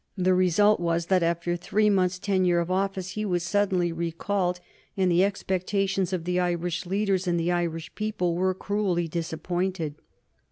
The result was that after three months' tenure of office he was suddenly recalled, and the expectations of the Irish leaders and the Irish people were cruelly disappointed.